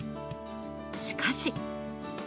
しかし。